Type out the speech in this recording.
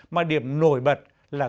mà điểm nổi bật là